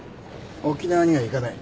沖縄には行かない。